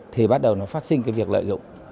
thì bắt đầu nó phát sinh cái việc lợi dụng